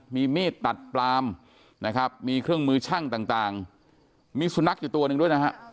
มีมีดตัดปลามนะครับมีเครื่องมือช่างต่างมีสุนัขอยู่ตัวหนึ่งด้วยนะฮะ